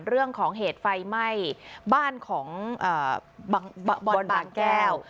เรื่องของเหตุไฟไหม้บ้านของบอลบางแก้ว